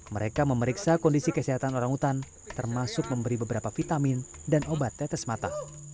mereka memeriksa kondisi kesehatan orang hutan termasuk memberi beberapa vitamin dan obat tetes mata